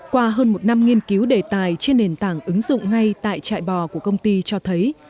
qua hơn một năm nghiên cứu đề tài trên nền tảng ứng dụng ngay tại chạy bò của công ty cho thấy